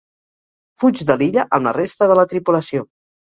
Fuig de l'illa amb la resta de la tripulació.